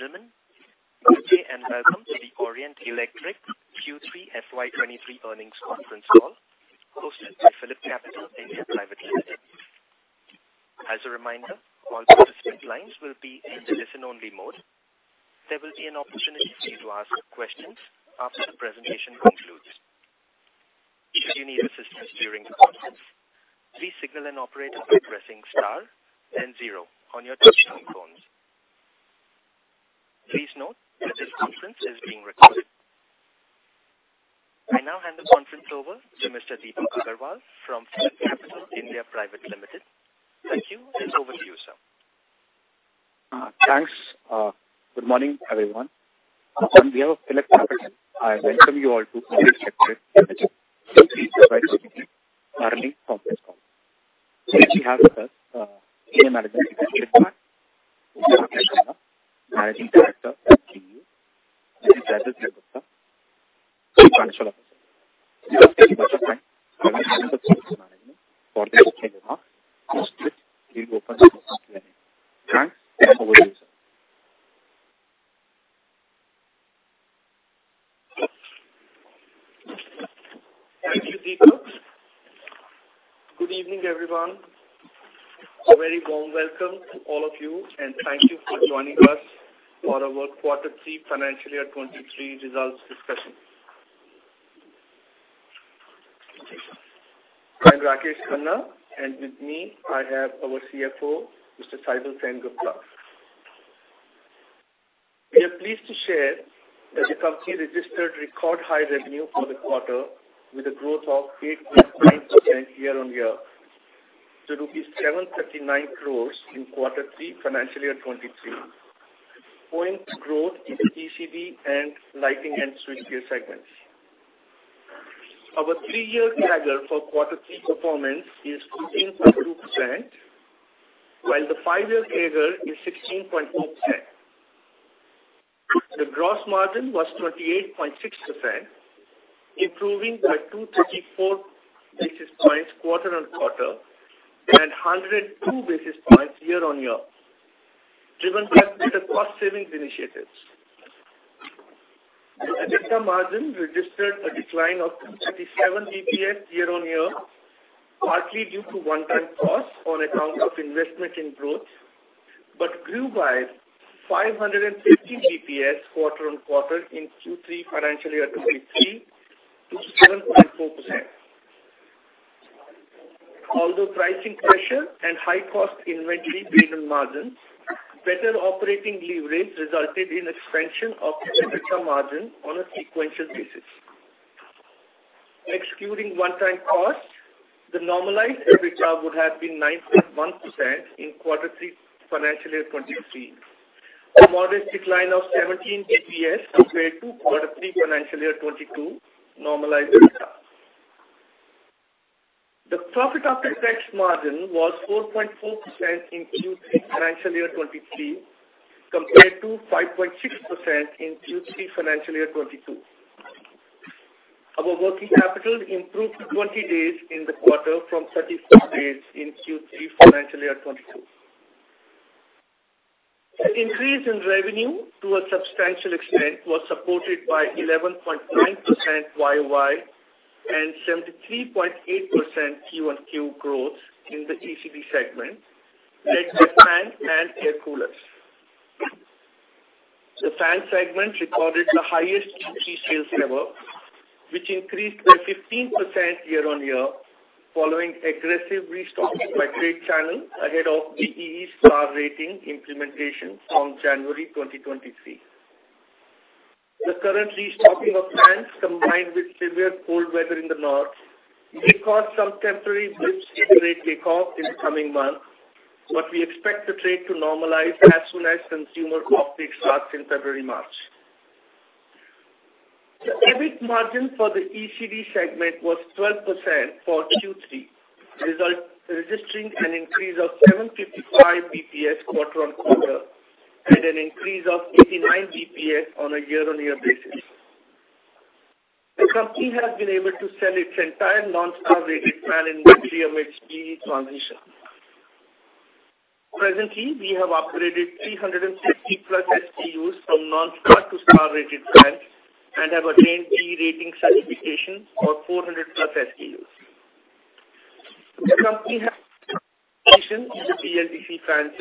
Ladies and gentlemen, good day and welcome to the Orient Electric Q3 FY23 earnings conference call hosted by PhillipCapital India Private Limited. As a reminder, all participant lines will be in listen-only mode. There will be an opportunity to ask questions after the presentation concludes. If you need assistance during the conference, please signal an operator by pressing star then zero on your touchtone phones. Please note that this conference is being recorded. I now hand the conference over to Mr. Deepak Agarwal from PhillipCapital India Private Limited. Thank you and over to you, sir. thanks. good morning, everyone. On behalf of PhillipCapital, I welcome you all to Orient Electric Q3 FY 2023 earnings conference call. Today we have with us, Indian management Managing Director and CEO, Mr. Rakesh Khanna and Mr. Saibal Sengupta, the Chief Financial Officer. Without any further delay, I would like to hand over to Mr. Rakesh Khanna for this keynote. After which we will open the floor for Q&A. Thanks. Over to you, sir. Thank you, Deepak. Good evening, everyone. A very warm welcome to all of you, and thank you for joining us for our Q3 financial year 2023 results discussion. I'm Rakesh Khanna, and with me I have our CFO, Mr. Saibal Sengupta. We are pleased to share that the company registered record high revenue for the quarter with a growth of 8.9% year-on-year to INR 739 crores in Q3 financial year 2023. Point growth in the ECD and lighting and switchgear segments. Our three-year CAGR for Q3 performance is 13.2%, while the five-year CAGR is 16.4%. The gross margin was 28.6%, improving by 234 basis points quarter-on-quarter and 102 basis points year-on-year, driven by better cost savings initiatives. The EBITDA margin registered a decline of 37 BPS year-on-year, partly due to one-time costs on account of investment in growth, but grew by 550 BPS quarter-on-quarter in Q3 financial year 2023 to 7.4%. Although pricing pressure and high cost inventory weighed on margins, better operating leverage resulted in expansion of the EBITDA margin on a sequential basis. Excluding one-time costs, the normalized EBITDA would have been 9.1% in Q3 financial year 2023, a modest decline of 17 BPS compared to Q3 financial year 2022 normalized EBITDA. The profit after tax margin was 4.4% in Q3 financial year 2023 compared to 5.6% in Q3 financial year 2022. Our working capital improved 20 days in the quarter from 35 days in Q3 financial year 2022. The increase in revenue to a substantial extent was supported by 11.9% year-over-year and 73.8% quarter-on-quarter growth in the ECD segment like the fans and air coolers. The fan segment recorded the highest Q3 sales ever, which increased by 15% year-on-year following aggressive restocking by trade channel ahead of BEE star rating implementation on January 2023. The current restocking of fans, combined with severe cold weather in the north, may cause some temporary blips in the retail offtake in the coming months. We expect the trade to normalize as soon as consumer off-take starts in February, March. The EBIT margin for the ECD segment was 12% for Q3, registering an increase of 755 BPS quarter-on-quarter and an increase of 89 BPS on a year-on-year basis. The company has been able to sell its entire non-star rated fan inventory amidst the transition. Presently, we have upgraded 360+ SKUs from non-star to star rated fans and have attained B rating certification for 400+ SKUs. The company has in the BLDC fan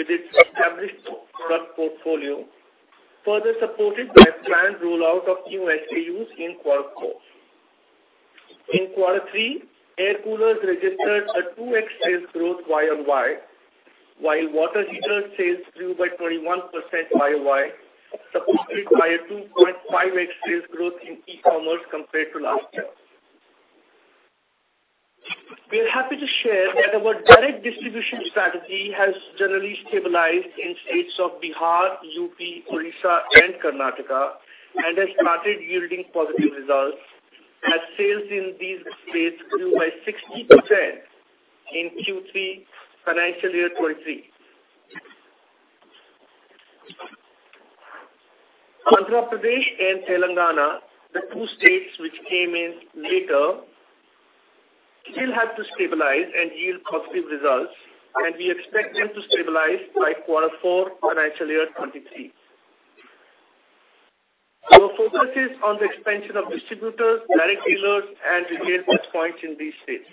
segment with its established product portfolio, further supported by planned rollout of new SKUs in quarter four. In quarter three, air coolers registered a 2x sales growth Y on Y, while water heater sales grew by 21% YOY, supported by a 2.5x sales growth in e-commerce compared to last year. We are happy to share that our direct distribution strategy has generally stabilized in states of Bihar, UP, Orissa and Karnataka and has started yielding positive results as sales in these states grew by 60% in Q3 financial year 2023. Andhra Pradesh and Telangana, the two states which came in later, still have to stabilize and yield positive results. We expect them to stabilize by quarter four financial year 2023. Our focus is on the expansion of distributors, direct dealers, and retail touch points in these states.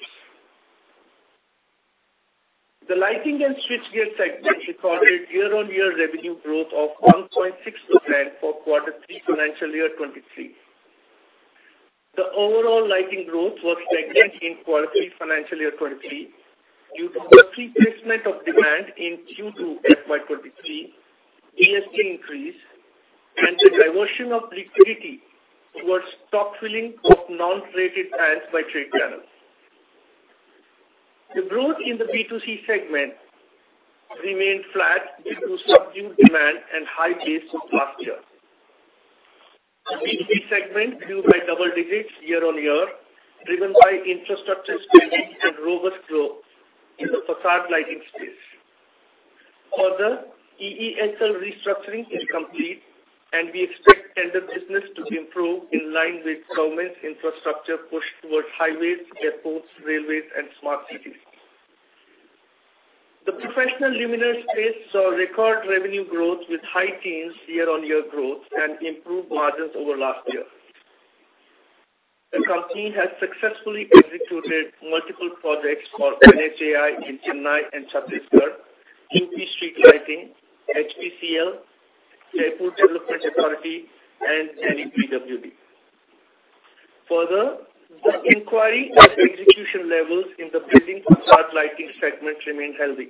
The lighting and switchgear segment recorded year-on-year revenue growth of 1.6% for quarter three financial year 2023. The overall lighting growth was stagnant in quarter three financial year 2023 due to the preponement of demand in Q2 FY 2023, GST increase, and the diversion of liquidity towards stock filling of non-rated fans by trade channels. The growth in the B2C segment remained flat due to subdued demand and high base of last year. The B2B segment grew by double digits year-on-year, driven by infrastructure spending and robust growth in the facade lighting space. EESL restructuring is complete, and we expect tender business to improve in line with government infrastructure push towards highways, airports, railways, and smart cities. The professional luminaire space saw record revenue growth with high teens year-on-year growth and improved margins over last year. The company has successfully executed multiple projects for NHAI in Chennai and Chhattisgarh, UP street lighting, HPCL, Jaipur Development Authority, and Delhi PWD. The inquiry and execution levels in the building facade lighting segment remained healthy.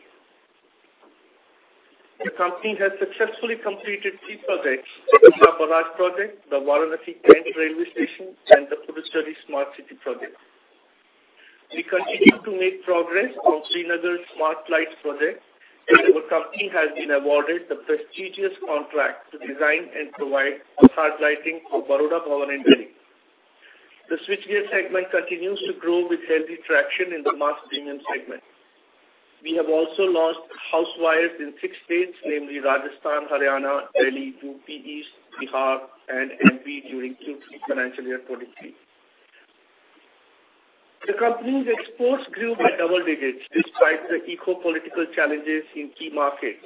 The company has successfully completed three projects, the Indira Bhawan project, the Varanasi Cantt railway station, and the Puducherry smart city project. We continue to make progress on Srinagar smart lights project. Our company has been awarded the prestigious contract to design and provide facade lighting for Baroda Bhawan in Delhi. The switchgear segment continues to grow with healthy traction in the mass premium segment. We have also launched house wires in 6 states, namely Rajasthan, Haryana, Delhi, UP East, Bihar, and MP during Q3 financial year 2023. The company's exports grew by double digits despite the geopolitical challenges in key markets,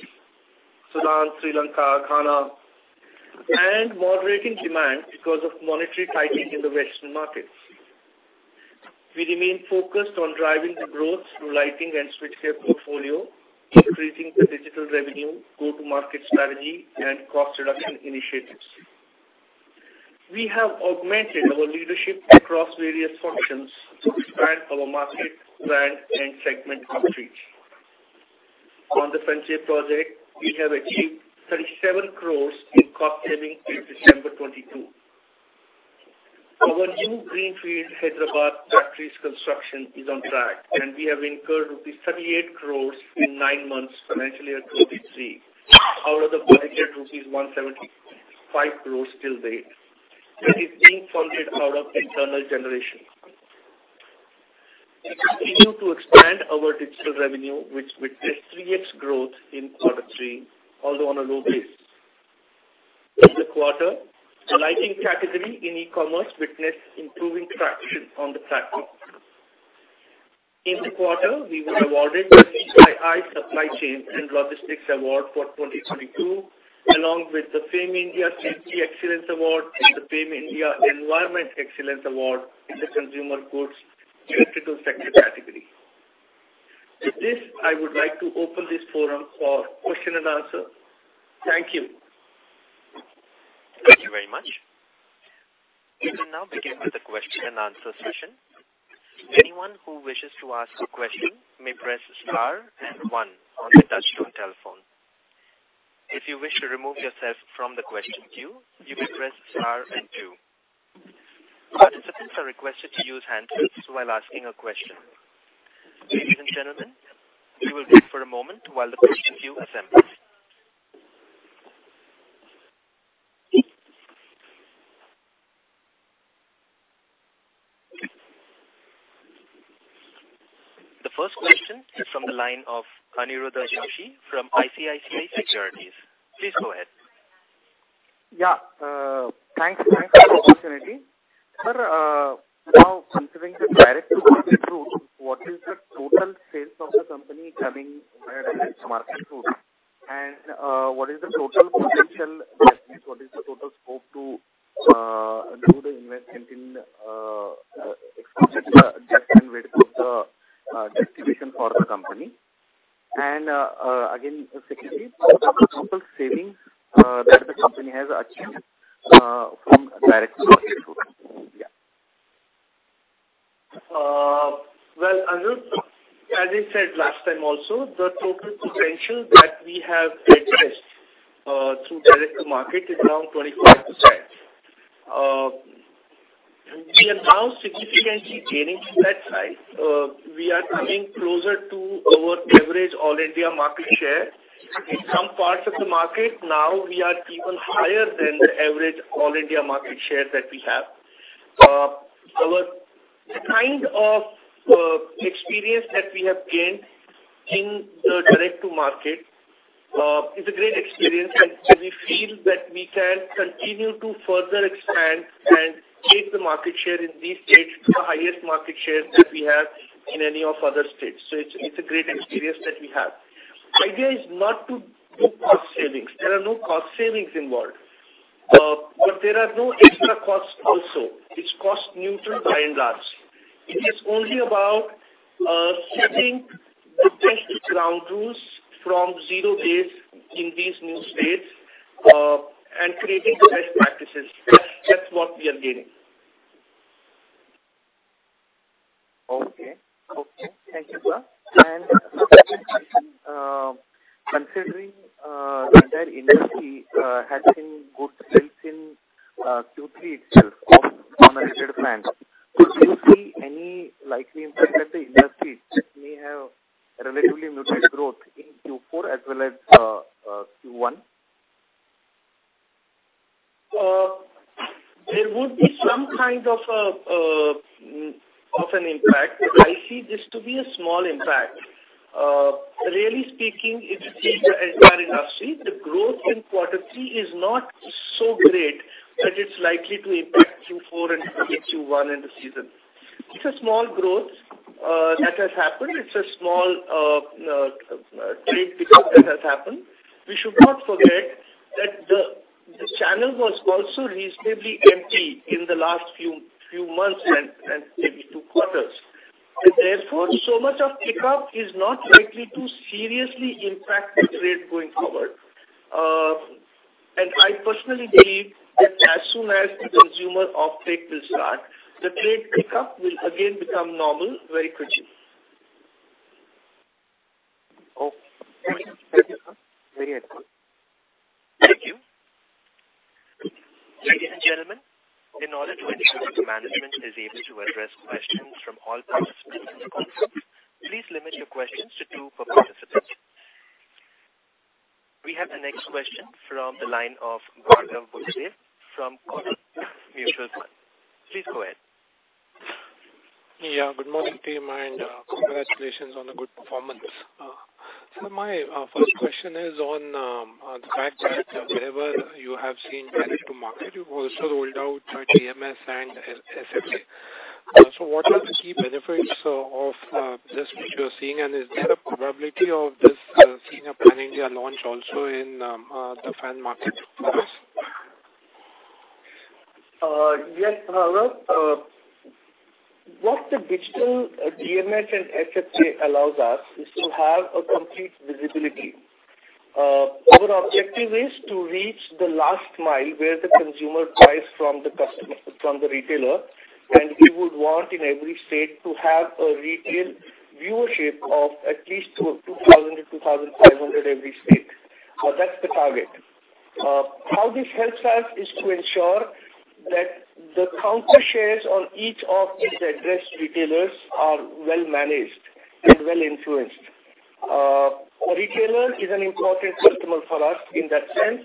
Sudan, Sri Lanka, Ghana, and moderating demand because of monetary tightening in the Western markets. We remain focused on driving the growth through lighting and switchgear portfolio, increasing the digital revenue, go-to-market strategy, and cost reduction initiatives. We have augmented our leadership across various functions to expand our market plan and segment outreach. On the Sanchay Project, we have achieved 37 crores in cost saving through December 2022. Our new Greenfield Hyderabad factory's construction is on track, and we have incurred rupees 78 crores in 9 months financial year 2023, out of the budgeted rupees 175 crores still date. That is being funded out of internal generation. We continue to expand our digital revenue, which witnessed 3x growth in quarter three, although on a low base. In the quarter, the lighting category in e-commerce witnessed improving traction on the platform. In the quarter, we were awarded the CII Supply Chain and Logistics Award for 2022, along with the FAME India Safety Excellence Award and the FAME India Environment Excellence Award in the consumer goods electrical sector category. With this, I would like to open this forum for question and answer. Thank you. Thank you very much. We can now begin with the question and answer session. Anyone who wishes to ask a question may press star and one on the touchtone telephone. If you wish to remove yourself from the question queue, you may press star and two. Participants are requested to use handsets while asking a question. Ladies and gentlemen, we will wait for a moment while the question queue assembles. The first question is from the line of Aniruddha Joshi from ICICI Securities. Please go ahead. Yeah. Thanks. Thanks for the opportunity. Sir, now considering the direct to market route, what is the total sales of the company coming via this market route? What is the total potential, that is, what is the total scope to do the investment in expansion just in wake of the distribution for the company? Again, secondly, what is the total savings that the company has achieved from direct to market route? Yeah. Well, Aniruddha, as I said last time also, the total potential that we have addressed through direct to market is around 25%. We are now significantly gaining to that side. We are coming closer to our average All India market share. In some parts of the market now we are even higher than the average All India market share that we have. Our kind of experience that we have gained in the direct-to-market is a great experience, and we feel that we can continue to further expand and take the market share in these states to the highest market share that we have in any of other states. It's a great experience that we have. Idea is not to do cost savings. There are no cost savings involved. There are no extra costs also. It's cost neutral by and large. It is only about setting the best ground rules from 0 base in these new states, and creating the best practices. That's what we are gaining. Okay. Okay. Thank you, sir. Considering that industry has been good sales in Q3 itself on a retail plan. Could you see any likely impact that the industry may have relatively muted growth in Q4 as well as Q1? There would be some kind of an impact. I see this to be a small impact. Really speaking, it is the entire industry. The growth in Q3 is not so great that it's likely to impact Q4 and Q1 in the season. It's a small growth that has happened. It's a small trade pickup that has happened. We should not forget that the channel was also reasonably empty in the last few months and maybe two quarters. Therefore, so much of pickup is not likely to seriously impact the trade going forward. I personally believe that as soon as the consumer off-take will start, the trade pickup will again become normal very quickly. Okay. Thank you. Thank you, sir. Very helpful. Thank you. Ladies and gentlemen, in order to ensure that the management is able to address questions from all participants in the conference, please limit your questions to two per participant. We have the next question from the line of Bhargav Buddhadev from Kotak Mutual Fund. Please go ahead. Yeah. Good morning to you, and congratulations on the good performance. My first question is on the fact that wherever you have seen direct-to-market, you've also rolled out a DMS and FSK. What are the key benefits of this which you're seeing? Is there a probability of this seeing a Pan India launch also in the fan market for us? Yes, Bhargav. What the digital DMS and FSK allows us is to have a complete visibility. Our objective is to reach the last mile where the consumer buys from the customer, from the retailer, we would want in every state to have a retail viewership of at least 2,000 to 2,500 every state. That's the target. How this helps us is to ensure that the counter shares on each of these address retailers are well managed and well influenced. A retailer is an important customer for us in that sense,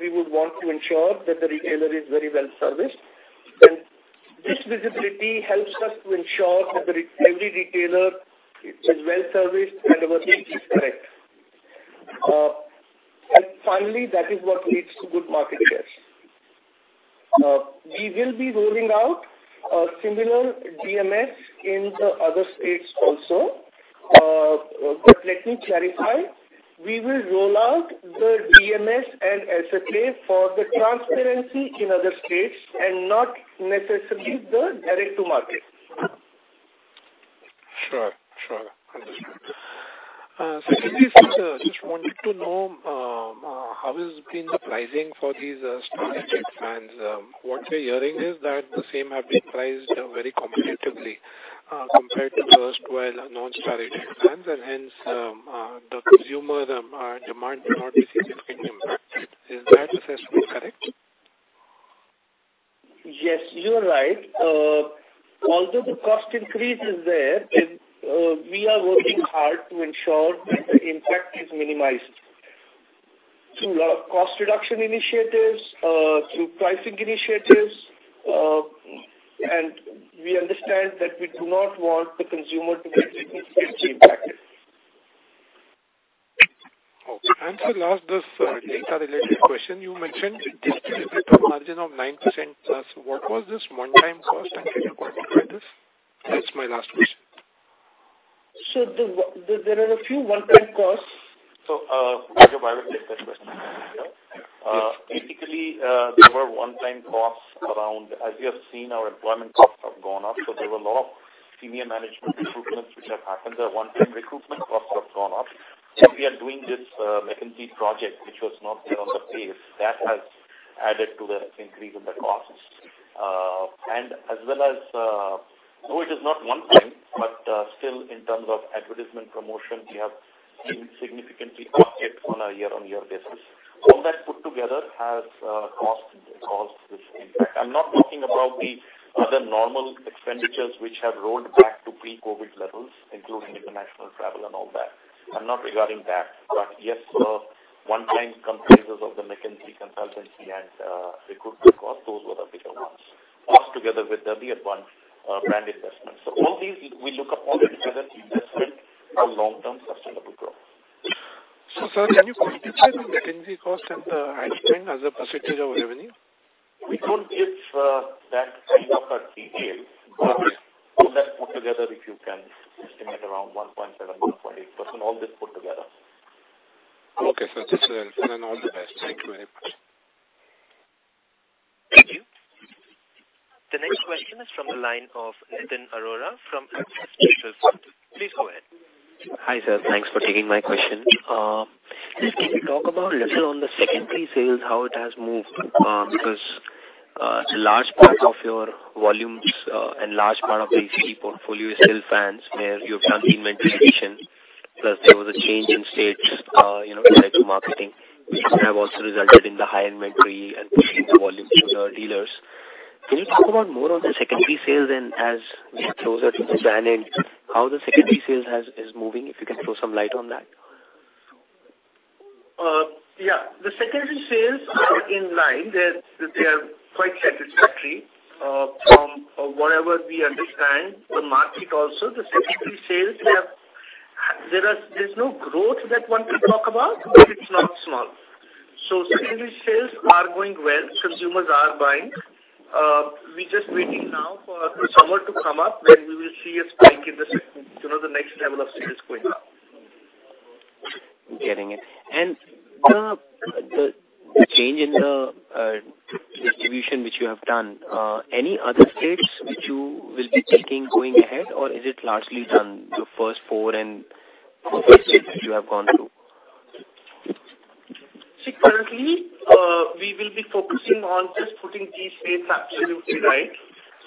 we would want to ensure that the retailer is very well serviced. This visibility helps us to ensure that every retailer is well serviced and everything is correct. Finally, that is what leads to good market shares. We will be rolling out a similar DMS in the other states also. Let me clarify. We will roll out the DMS and FSK for the transparency in other states and not necessarily the direct-to-market. Sure. Sure. Understood. Just wanted to know, how has been the pricing for these star-rated fans? What we're hearing is that the same have been priced very competitively, compared to erstwhile non star-rated fans, and hence, the consumer demand may not be significant impact. Is that assessment correct? Yes, you are right. Although the cost increase is there, we are working hard to ensure that the impact is minimized. Through our cost reduction initiatives, through pricing initiatives, we understand that we do not want the consumer to get significantly impacted. Okay. Sir last, this data related question. You mentioned EBITDA margin of 9% plus. What was this one-time cost, and can you quantify this? That's my last question. There are a few one-time costs. Maybe I will take that question. Basically, there were one-time costs around as you have seen our employment costs have gone up. There were a lot of senior management recruitments which have happened. The one-time recruitment costs have gone up. We are doing this McKinsey project, which was not there on the pace. That has added to the increase in the costs. As well as, though it is not one time, still in terms of advertisement promotion, we have seen significantly pocket on a year-on-year basis. All that put together has caused this impact. I'm not talking about the other normal expenditures which have rolled back to pre-COVID levels, including international travel and all that. I'm not regarding that. Yes, one time comprises of the McKinsey consultancy and recruitment cost. Those were the bigger ones. Those together with the advanced brand investment. All these we look up all together investment for long-term sustainable growth. Sir, can you quantify the McKinsey cost and the ad spend as a % of revenue? We don't give that kind of a detail. All that put together, if you can estimate around 1.7, 1.8%, all this put together. Okay, sir. That's clear. All the best. Thank you very much. Thank you. The next question is from the line of Nitin Arora from Axis Mutual Fund. Please go ahead. Hi, sir. Thanks for taking my question. Can you talk about a little on the secondary sales, how it has moved? Because, it's a large part of your volumes, and large part of the ACP portfolio is still fans, where you've done inventory addition. Plus there was a change in states, you know, related to marketing, which may have also resulted in the high inventory and pushing the volume to the dealers. Can you talk about more on the secondary sales and as we get closer to the ban end, how the secondary sales is moving, if you can throw some light on that. Yeah. The secondary sales are in line. They are quite satisfactory, from whatever we understand the market also. The secondary sales, there's no growth that one can talk about, but it's not small. Secondary sales are going well. Consumers are buying. We're just waiting now for summer to come up. We will see a spike in the you know, the next level of sales going up. Getting it. The, the change in the distribution which you have done, any other states which you will be taking going ahead, or is it largely done, the first four and five states which you have gone through? See currently, we will be focusing on just putting these states absolutely right.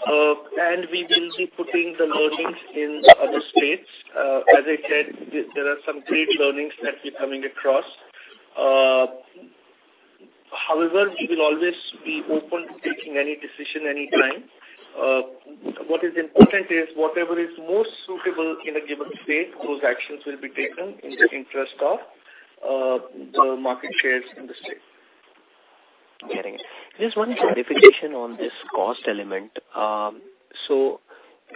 We will be putting the learnings in the other states. As I said, there are some great learnings that we're coming across. We will always be open to taking any decision anytime. What is important is whatever is most suitable in a given state, those actions will be taken in the interest of the market shares in the state. Getting it. Just one clarification on this cost element.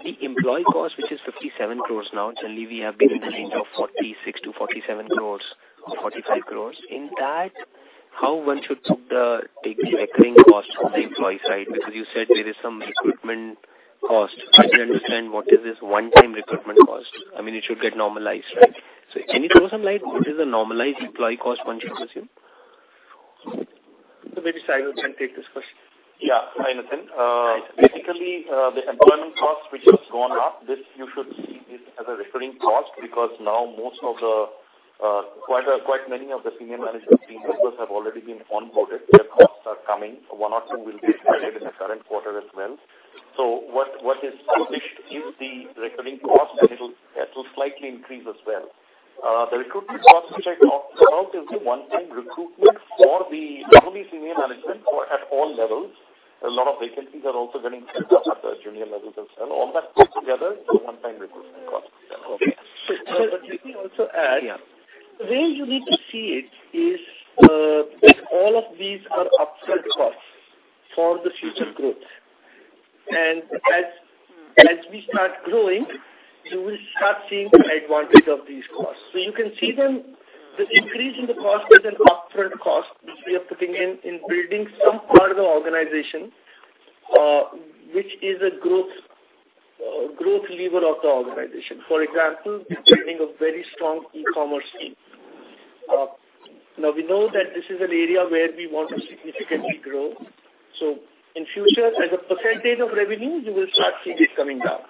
The employee cost, which is 57 crore now, suddenly we have been in the range of 46 crore-47 crore or 45 crore. In that, how one should take the recurring costs on the employee side? Because you said there is some recruitment cost. I didn't understand what is this one time recruitment cost. I mean, it should get normalized, right? Can you throw some light what is the normalized employee cost one should assume? Maybe Sai can take this question. Hi, Nitin. Basically, the employment cost which has gone up, this you should see it as a recurring cost because now most of the quite many of the senior management team members have already been onboarded. Their costs are coming. One or two will be added in the current quarter as well. What is published is the recurring cost, and it'll slightly increase as well. The recruitment cost which I talked about is the one time recruitment for the not only senior management or at all levels. A lot of vacancies are also getting filled up at the junior levels as well. All that put together is the one time recruitment cost. Sir, let me also add. The way you need to see it is, all of these are upfront costs for the future growth. As we start growing, you will start seeing the advantage of these costs. You can see them, the increase in the cost is an upfront cost which we are putting in building some part of the organization, which is a growth lever of the organization. For example, we're building a very strong e-commerce team. Now we know that this is an area where we want to significantly grow. In future, as a percentage of revenue, you will start seeing this coming down.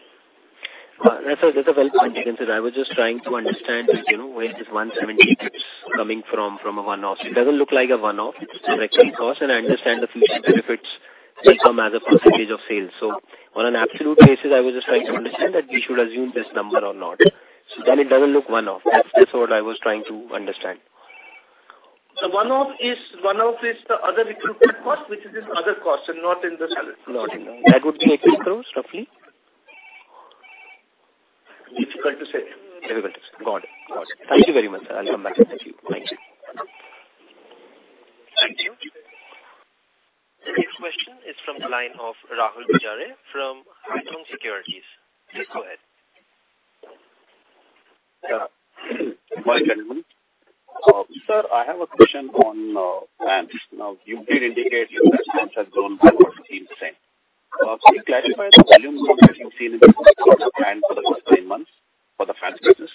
That's a well point you can say. I was just trying to understand, you know, where this 170 crores coming from a one-off. It doesn't look like a one-off recurring cost. I understand the future benefits will come as a % of sales. On an absolute basis, I was just trying to understand that we should assume this number or not. It doesn't look one-off. That's what I was trying to understand. The one-off is the other recruitment cost, which is this other cost and not in the salary cost. That would be 80 crores roughly? Difficult to say. Difficult to say. Got it. Got it. Thank you very much, sir. I'll come back to you. Thank you. Thank you. The next question is from the line of Rahul Gajare from Haitong Securities. Please go ahead. Yeah. Good morning, gentlemen. sir, I have a question on fans. You did indicate that fans has grown by 14%. Can you clarify the volume growth that you've seen in fans for the first nine months for the fans business?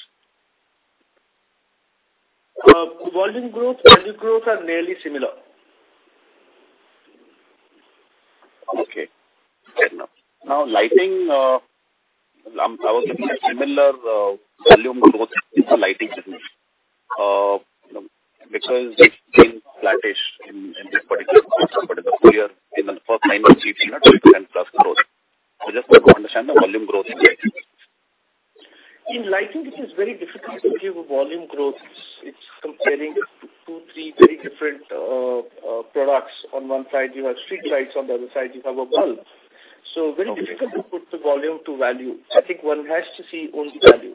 Volume growth and unit growth are nearly similar. Okay, fair enough. Now, lighting, I'm probably seeing similar volume growth in the lighting business. Because it's been flattish in this particular quarter. In the full year, in the first nine months we've seen a 20% plus growth. Just want to understand the volume growth in lighting. In lighting, it is very difficult to give a volume growth. It's comparing two, three very different products. On one side you have street lights, on the other side you have a bulb. Very difficult to put the volume to value. I think one has to see only value.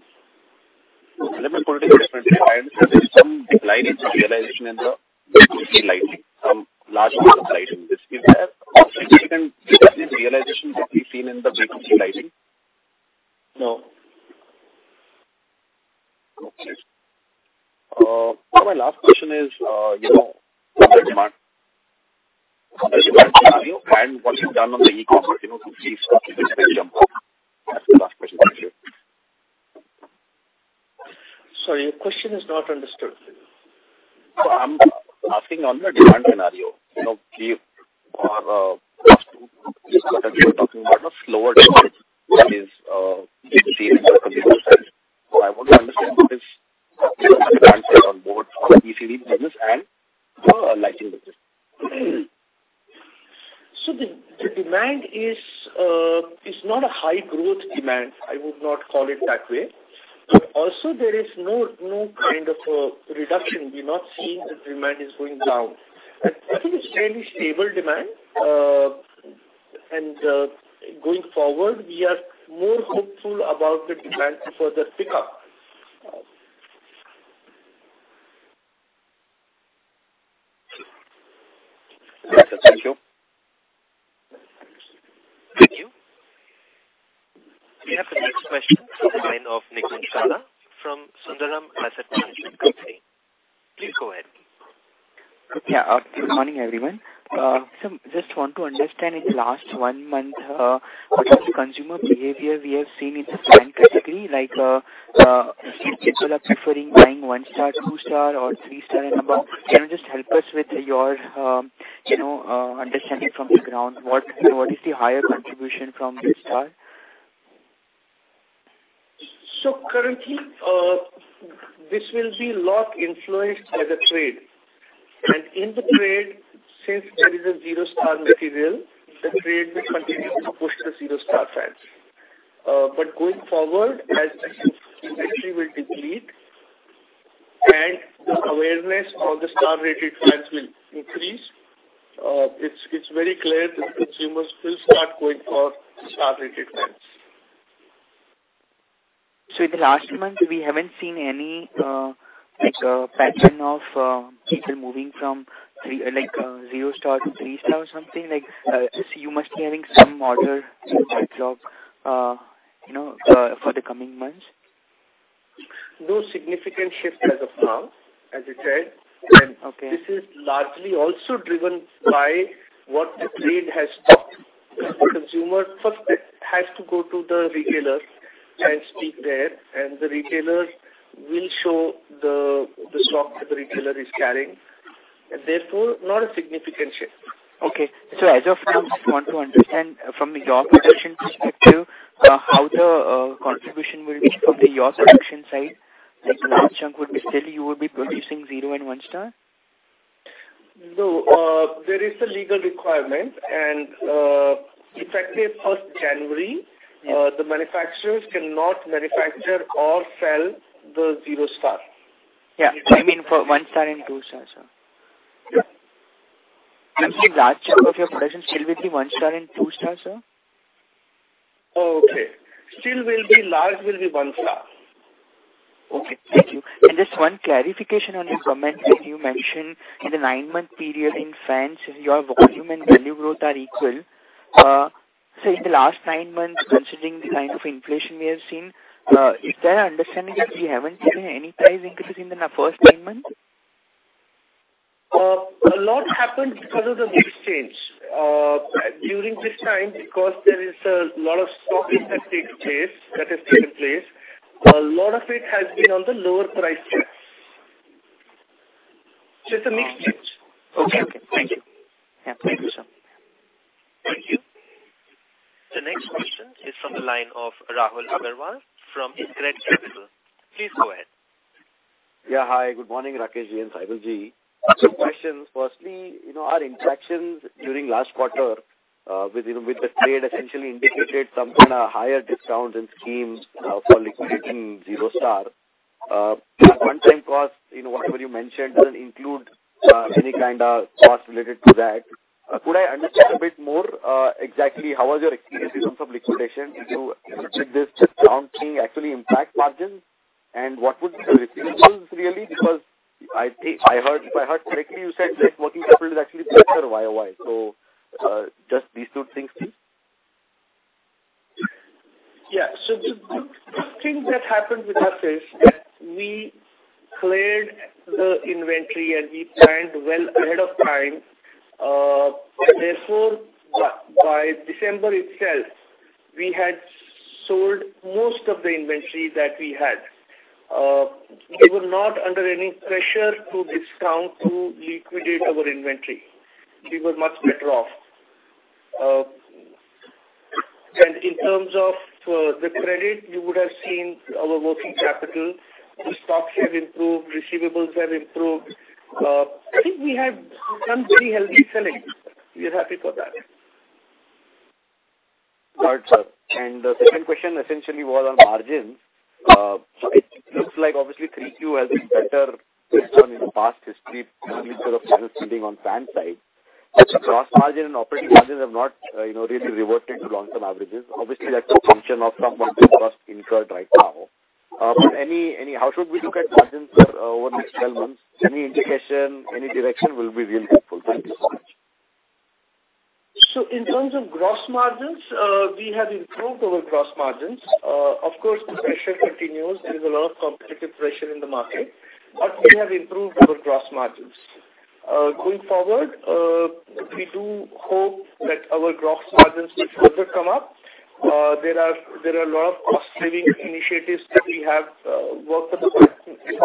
Let me put it differently. There is some decline in realization in the B2C lighting, some large amount of lighting. Is there a significant decline in realization that we've seen in the B2C lighting? No. Okay. My last question is, you know, on the demand and what you've done on the e-commerce, you know, to increase? Sorry, your question is not understood. I'm asking on the demand scenario. You know, give or just again talking about a slower demand I want to understand what is on board for the EC business and the lighting business. The demand is not a high growth demand. I would not call it that way. There is no kind of a reduction. We're not seeing the demand is going down. I think it's fairly stable demand. Going forward, we are more hopeful about the demand to further pick up. Yes, sir. Thank you. Thank you. We have the next question from the line of Nikunj Gala from Sundaram Asset Management Company. Please go ahead. Yeah. Good morning, everyone. Just want to understand in the last 1 month, what is the consumer behavior we have seen in the fan category? People are preferring buying 1-star, 2-star, or 3-star and above. Can you just help us with your, you know, understanding from the ground? What is the higher contribution from each star? Currently, this will be lot influenced by the trade. In the trade, since there is a zero-star material, the trade will continue to push the zero-star fans. Going forward, as the inventory will deplete and the awareness of the star-rated fans will increase, it's very clear that consumers will start going for star-rated fans. In the last month we haven't seen any, like, pattern of people moving from zero star to three star or something. Like, you must be having some order in backlog, you know, for the coming months. No significant shift as of now, as I said. This is largely also driven by what the trade has stocked. The consumer first has to go to the retailer and speak there, and the retailers will show the stock that the retailer is carrying. Therefore, not a significant shift. Okay. as of now, I just want to understand from your production perspective, how the contribution will be from the your production side. large chunk would be still you will be producing zero and one star? No. There is a legal requirement and effective first January, the manufacturers cannot manufacture or sell the zero star. Yeah. I mean for one star and two star sir. Large chunk of your production still will be one star and two star, sir? Okay. Still will be large will be one star. Okay. Thank you. Just one clarification on your comment when you mentioned in the nine-month period in fans, your volume and value growth are equal. In the last nine months, considering the kind of inflation we have seen, is there understanding that we haven't seen any price increases in the first nine months? A lot happened because of the mix change. During this time, because there is a lot of stocking that takes place that has taken place, a lot of it has been on the lower price points. It's a mix change. Okay. Thank you. Yeah. Thank you, sir. Thank you. The next question is from the line of Rahul Agarwal from InCred Capital. Please go ahead. Hi, good morning, Rakesh Ji and Saibal Ji. Two questions. Firstly, you know, our interactions during last quarter, with, you know, with the trade essentially indicated some kind of higher discounts and schemes for liquidating zero star. One time cost, you know, whatever you mentioned doesn't include any kind of costs related to that. Could I understand a bit more, exactly how was your experience in terms of liquidation? Did this discounting actually impact margins? What would the receivables really, because I think I heard, if I heard correctly, you said net working capital is actually better YOY? Just these two things, please. Yeah. The, the thing that happened with us is that we cleared the inventory and we planned well ahead of time. Therefore by December itself, we had sold most of the inventory that we had. We were not under any pressure to discount to liquidate our inventory. We were much better off. In terms of the credit, you would have seen our working capital. The stocks have improved, receivables have improved. I think we have done very healthy selling. We are happy for that. Got you. The second question essentially was on margins. So it looks like obviously 3Q has been better based on in the past history in terms of channel spending on fan side. Gross margin and operating margins have not, you know, really reverted to long-term averages. Obviously, that's a function of some of the costs incurred right now. How should we look at margins over the next 12 months? Any indication, any direction will be really helpful. Thank you so much. In terms of gross margins, we have improved our gross margins. Of course, the pressure continues. There is a lot of competitive pressure in the market, but we have improved our gross margins. Going forward, we do hope that our gross margins will further come up. There are a lot of cost-saving initiatives that we have worked on the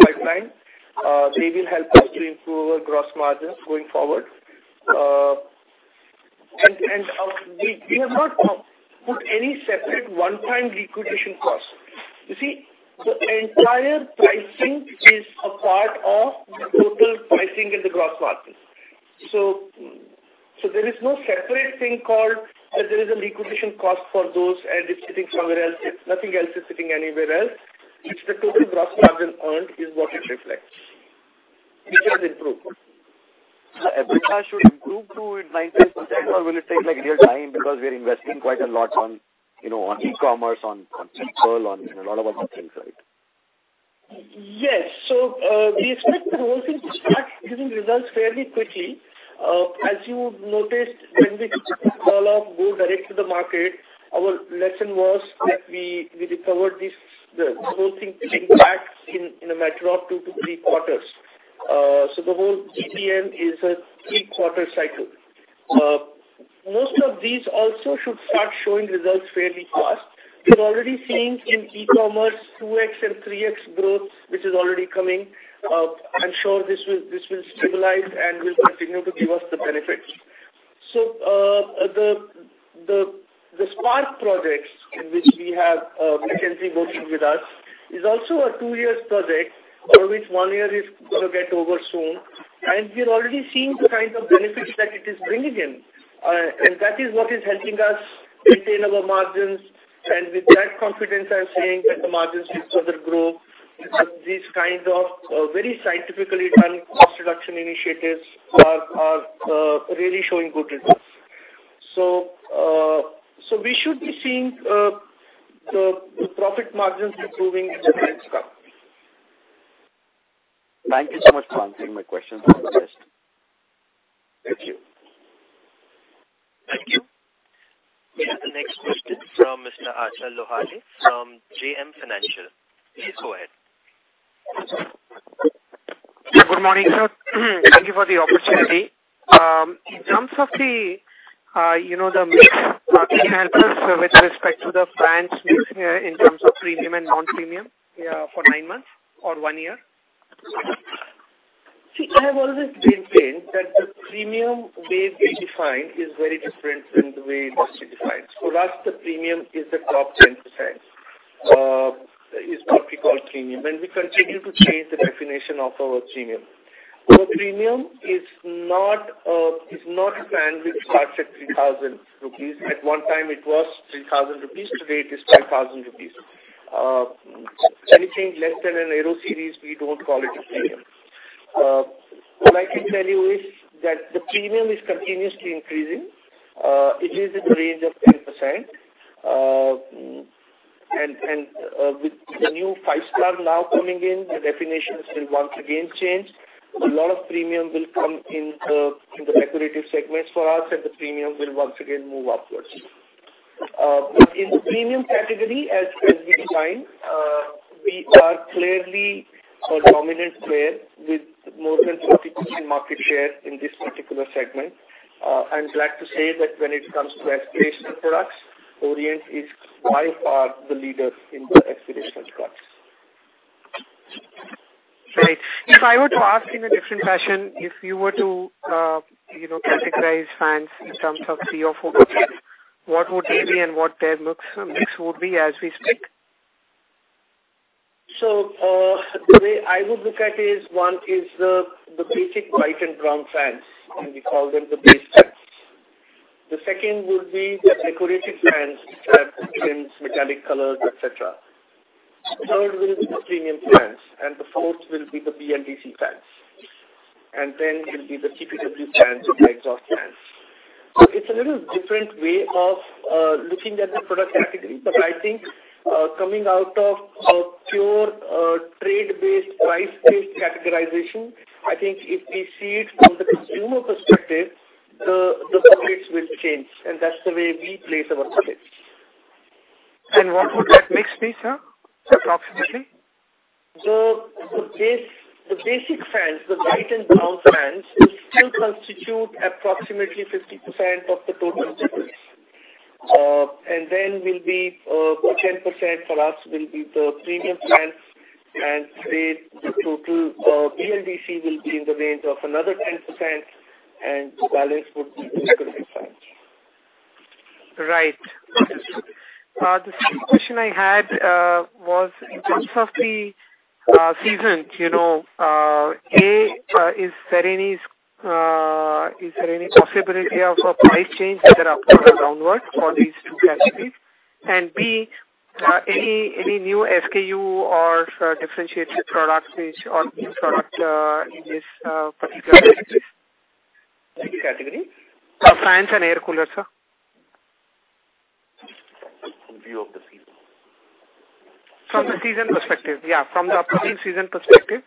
pipeline. They will help us to improve our gross margins going forward. And we have not put any separate one-time liquidation costs. You see, the entire pricing is a part of the total pricing in the gross margin. There is no separate thing called that there is a liquidation cost for those, and it's sitting somewhere else. Nothing else is sitting anywhere else. It's the total gross margin earned is what it reflects, which has improved. EBITDA should improve to it 19% or will it take like real time because we are investing quite a lot on, you know, on e-commerce, on Pearl, on a lot of other things, right? Yes. We expect the whole thing to start giving results fairly quickly. As you noticed when we took the call of go direct to the market, our lesson was that we recovered the whole thing paying back in a matter of two to three quarters. The whole GPM is a three quarter cycle. Most of these also should start showing results fairly fast. We're already seeing in e-commerce 2x and 3x growth, which is already coming. I'm sure this will stabilize and will continue to give us the benefits. The Spark projects in which we have McKinsey working with us is also a two-year project of which one year is gonna get over soon. We're already seeing the kinds of benefits that it is bringing in. That is what is helping us maintain our margins. With that confidence, I'm saying that the margins will further grow. These kind of very scientifically done cost reduction initiatives are really showing good results. We should be seeing the profit margins improving as things come. Thank you so much for answering my questions. Thank you. Thank you. We have the next question from Mr. Achal Lohade from JM Financial. Please go ahead. Good morning, sir. Thank you for the opportunity. In terms of the, you know, the mix can you help us with respect to the fans mix, in terms of premium and non-premium for nine months or one year? See, I have always maintained that the premium way we define is very different from the way industry defines. For us, the premium is the top 10%, is what we call premium. We continue to change the definition of our premium. Premium is not a fan which starts at 3,000 rupees. At one time it was 3,000 rupees. Today it is 5,000 rupees. Anything less than an Aero Series, we don't call it a premium. What I can tell you is that the premium is continuously increasing. It is in the range of 10%. With the new 5-star now coming in, the definition will once again change. A lot of premium will come in the decorative segments for us, and the premium will once again move upwards. In the premium category, as we define, we are clearly a dominant player with more than 40% market share in this particular segment. I'm glad to say that when it comes to aspirational products, Orient is by far the leader in the aspirational products. Right. If I were to ask in a different fashion, if you were to, you know, categorize fans in terms of three or four buckets, what would they be and what their mix would be as we speak? The way I would look at is one is the basic white and brown fans, and we call them the base fans. The second would be the decorative fans that brings metallic colors, et cetera. Third will be the premium fans, and the fourth will be the BLDC fans. Then will be the TPW fans or the exhaust fans. It's a little different way of looking at the product category. I think coming out of a pure trade-based, price-based categorization, I think if we see it from the consumer perspective, the buckets will change, and that's the way we place our buckets. What would that mix be, sir? Approximately. The basic fans, the white and brown fans will still constitute approximately 50% of the total sales. Then will be 10% for us will be the premium fans. Today the total BLDC will be in the range of another 10% and the balance would be the executive fans. Right. The second question I had was in terms of the seasons, you know, A, is there any possibility of a price change that are upward or downward for these two categories? B, any new SKU or differentiated products which or new product in this particular? Category? Fans and air coolers, sir. View of the season. From the season perspective. Yeah, from the upcoming season perspective.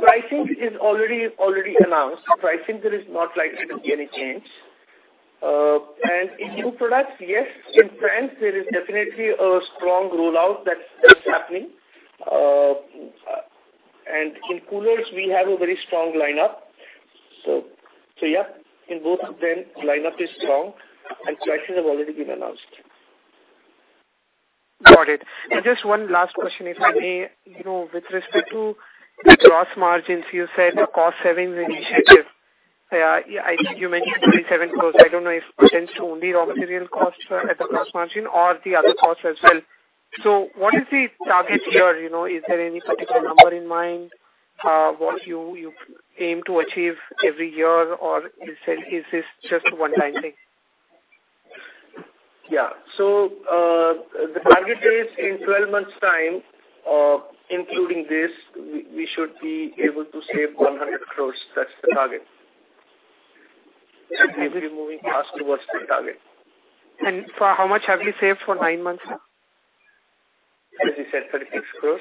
Pricing is already announced. I think there is not likely to be any change. And in new products, yes, in France there is definitely a strong rollout that's happening. And in coolers we have a very strong lineup. Yeah, in both of them, lineup is strong and prices have already been announced. Got it. Just one last question, if I may. You know, with respect to the gross margins, you said the cost savings initiative. Yeah, I think you mentioned 27 crores. I don't know if it tends to only raw material costs at the gross margin or the other costs as well. What is the target here? You know, is there any particular number in mind, what you aim to achieve every year? Or is this just a one-time thing? Yeah. The target is in 12 months' time, including this, we should be able to save 100 crores. That's the target. We'll be moving fast towards the target. How much have you saved for nine months now? As we said, 36 crores.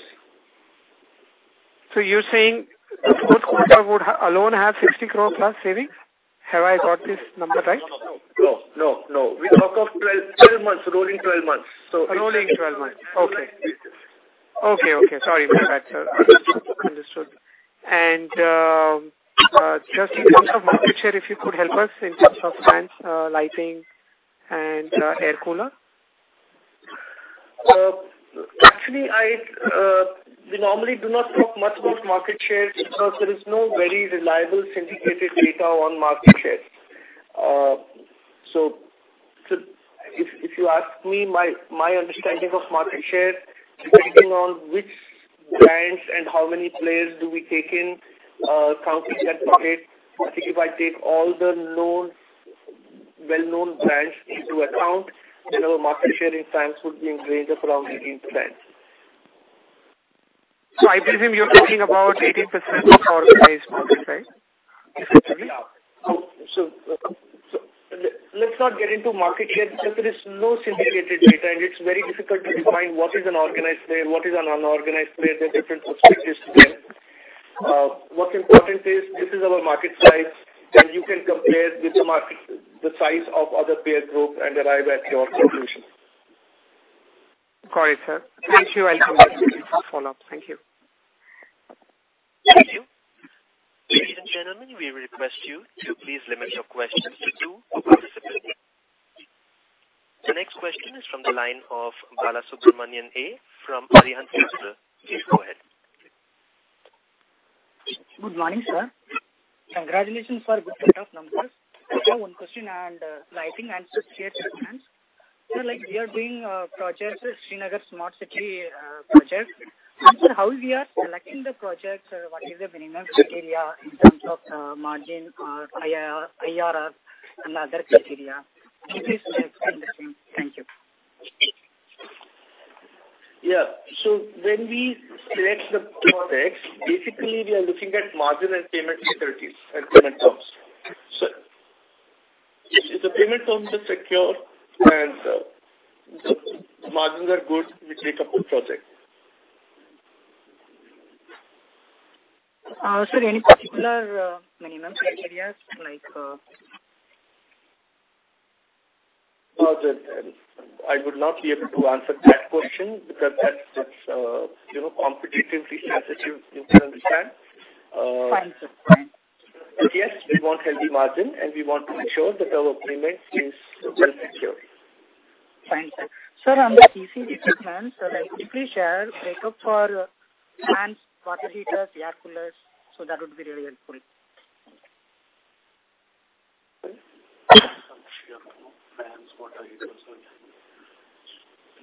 You're saying the fourth quarter would alone have 60 crore plus savings? Have I got this number right? No, no. We talk of 12 months, rolling 12 months. Rolling 12 months. Okay. Yes, yes. Okay. Okay. Sorry my bad, sir. Understood. Just in terms of market share, if you could help us in terms of fans, lighting and air cooler. Actually, I, we normally do not talk much about market share because there is no very reliable syndicated data on market share. So if you ask me my understanding of market share, depending on which brands and how many players do we take in, count each category. I think if I take all the known, well-known brands into account, then our market share in fans would be in range of around 18%. I presume you're talking about 18% of organized market, right? Essentially. Let's not get into market share because there is no syndicated data, it's very difficult to define what is an organized player, what is an unorganized player. There are different perspectives there. What's important is this is our market size, you can compare with the market, the size of other peer group and arrive at your conclusion. Got it, sir. Thank you for follow-up. Thank you. Thank you. Ladies and gentlemen, we request you to please limit your questions to two per participant. The next question is from the line of Balasubramanian A from Arihant Capital. Please go ahead. Good morning, sir. Congratulations for good set of numbers. I have one question and lighting and just share your plans. Like we are doing projects with Srinagar Smart City project. How we are selecting the projects, what is the minimum criteria in terms of margin or IRR and other criteria. If you please share, thank you. Yeah. When we select the projects, basically we are looking at margin and payment securities and payment terms. If the payment terms are secure and the margins are good, we take up the project. Sir, any particular minimum criteria like? The, I would not be able to answer that question because that's, you know, competitive research that you can understand. Fine, sir. Fine. Yes, we want healthy margin, and we want to ensure that our payment is well secured. Fine, sir. Sir on the ECD equipment, could you please share breakup for fans, water heaters, air coolers, that would be really helpful. Some share from fans, water heaters or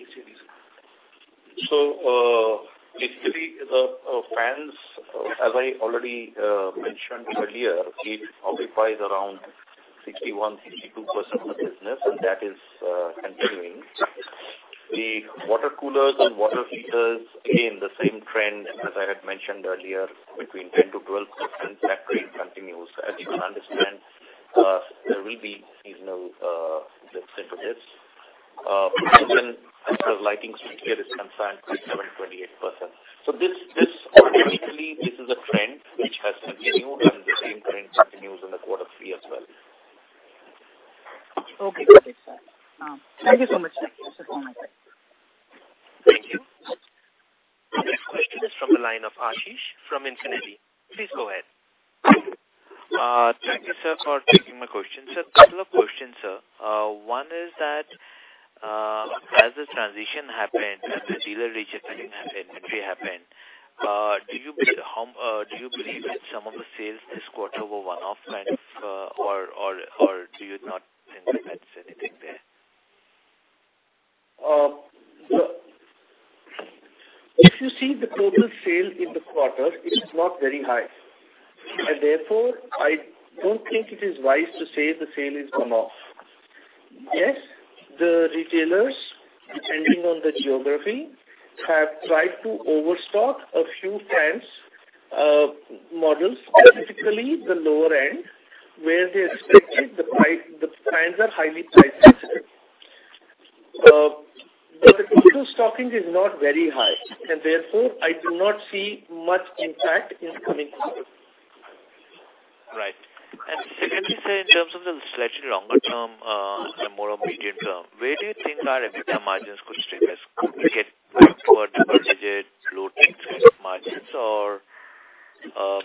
ECD, sir. Basically the fans, as I already mentioned earlier, it occupies around 61%-62% of the business, and that is continuing. The water coolers and water heaters remain the same trend as I had mentioned earlier, between 10%-12%. That trend continues. As you understand, there will be seasonal lifts into this. As far as lighting is concerned, it's 7.8%. This ultimately this is a trend which has continued, and the same trend continues in the quarter three as well. Okay. Okay, sir. Thank you so much, sir. That's all my time. Thank you. The next question is from the line of Ashish from Infinity. Please go ahead. Thank you, sir, for taking my question. Sir, couple of questions, sir. One is that, as the transition happened and the dealer restocking happened, entry happened. Do you believe that some of the sales this quarter were one-off kind of, or do you not think there's anything there? If you see the total sale in the quarter, it is not very high. Therefore, I don't think it is wise to say the sale is one-off. Yes, the retailers, depending on the geography, have tried to overstock a few brands, models, specifically the lower end, where they expected the brands are highly priced. The total stocking is not very high, and therefore I do not see much impact in coming quarter. Right. Secondly, sir, in terms of the slightly longer term, the more immediate term, where do you think our EBITDA margins could stabilize? Could we get back to a double-digit low teens kind of margins or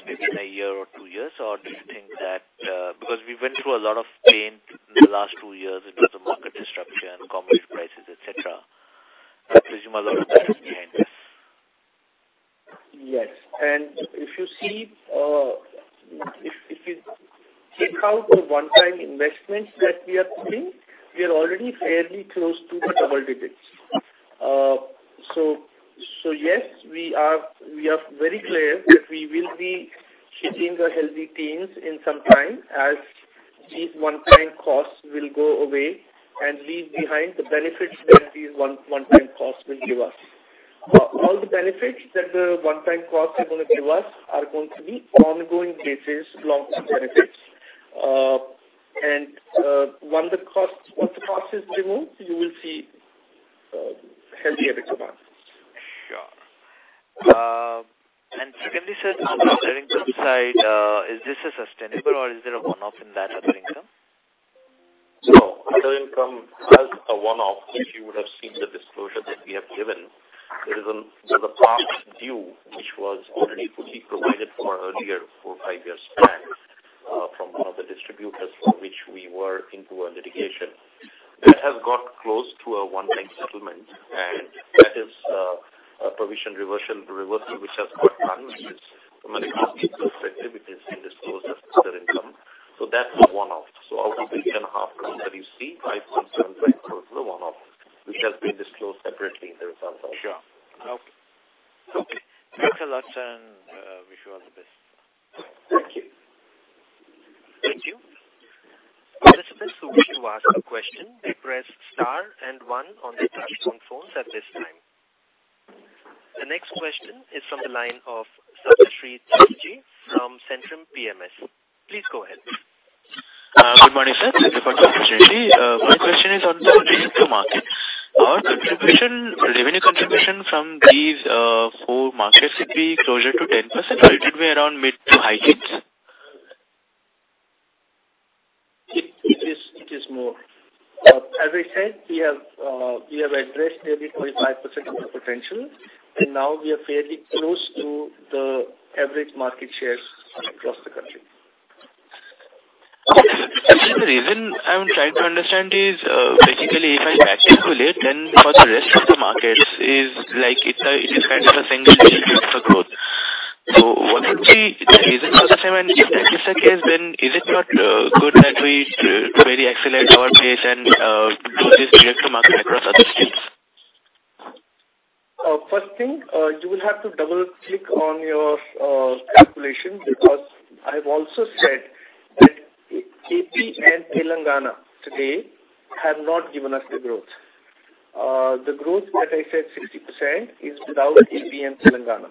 maybe in a year or two years? Do you think that, because we went through a lot of pain the last two years in terms of market disruption, commodity prices, et cetera. I presume a lot of that is behind us. Yes. If you see, if you take out the one-time investments that we are doing, we are already fairly close to the double digits. Yes, we are very clear that we will be hitting the healthy teens in some time as these one-time costs will go away and leave behind the benefits that these one-time costs will give us. All the benefits that the one-time costs are gonna give us are going to be ongoing basis blocks of benefits. When the cost, once the cost is removed, you will see, healthy EBITDA margins. Sure. Secondly sir, on the other income side, is this a sustainable or is there a one-off in that other income? No, other income has a one-off, which you would have seen the disclosure that we have given. There's a past due which was already fully provided for earlier, four, five years back, from one of the distributors for which we were into a litigation. That has got close to a one-time settlement, and that is a provision reversal which has got done, which is from an accounting perspective, it is disclosed as other income. That's a one-off. Out of the 10.5 crore that you see, 5.7 crore is a one-off, which has been disclosed separately in the results also. Sure. Okay. Okay. Thanks a lot and wish you all the best. Thank you. Thank you. Participants who wish to ask a question may press star and one on their touchtone phones at this time. The next question is from the line of Saptarshee Chatterjee from Centrum PMS. Please go ahead. Good morning, sir. This is Saptarshee Chatterjee. One question is on the direct to market. Our contribution, revenue contribution from these, four markets could be closer to 10% or it would be around mid to high digits? It is more. As I said, we have addressed nearly 45% of our potential, and now we are fairly close to the average market shares across the country. Actually, the reason I'm trying to understand is, basically if I calculate then for the rest of the markets is like it is kind of a single-digit for growth. What would be the reason for the same? If that is the case, then is it not good that we really accelerate our pace and do this direct to market across other states? First thing, you will have to double-click on your calculation because I've also said that AP and Telangana today have not given us the growth. The growth that I said 60% is without AP and Telangana.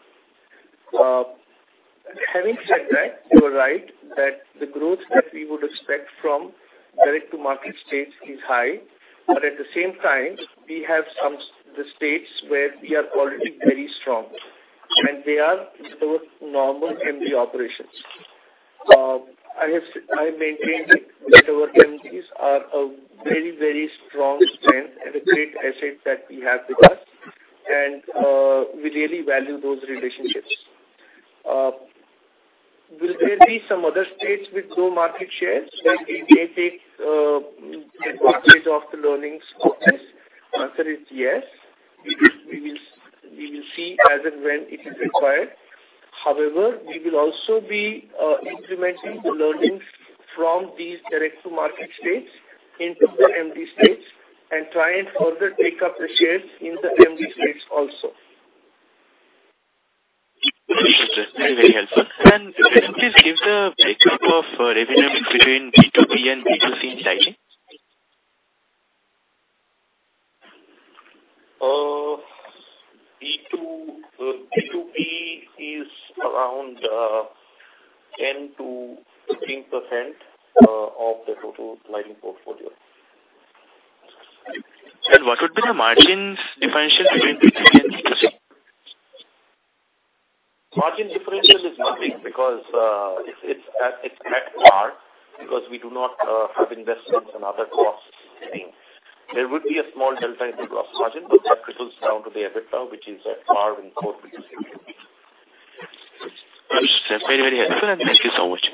Having said that, you are right that the growth that we would expect from direct to market states is high. At the same time, we have some, the states where we are already very strong, and they are those normal MD operations. I maintain that our MDs are a very strong strength and a great asset that we have with us. We really value those relationships. Will there be some other states with low market shares where we may take advantage of the learnings of this? Answer is yes. We will see as and when it is required. However, we will also be implementing the learnings from these direct to market states into the MD states and try and further take up the shares in the MD states also. Understood. Very, very helpful. Can you please give the breakup of revenue between B2B and B2C in lighting? B2B is around 10%-13% of the total lighting portfolio. What would be the margins differential between B2B and B2C? Margin differential is nothing because it's at par because we do not have investments and other costs sitting. There would be a small delta in the gross margin, but that trickles down to the EBITDA, which is at par in both B2B and B2C. Understood. That's very, very helpful. Thank you so much.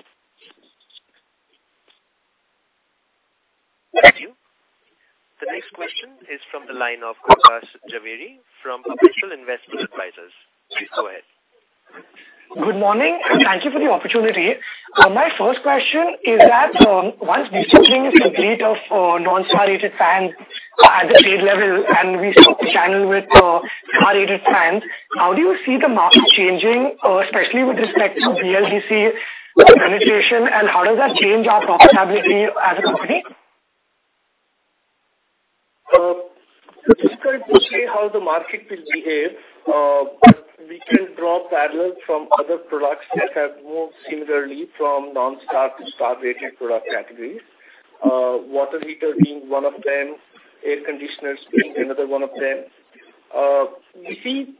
It's from the line of Aakash Javeri from Perpetual Investment Advisors. Please go ahead. Good morning. Thank you for the opportunity. My first question is that, once BEE grading is complete of non-star rated fans at the state level, and we stock the channel with star rated fans, how do you see the market changing, especially with respect to BLDC penetration, and how does that change our profitability as a company? It's difficult to say how the market will behave, we can draw parallels from other products that have moved similarly from non-star to star rated product categories. Water heater being one of them, air conditioners being another one of them. We see